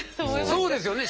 そうですよね。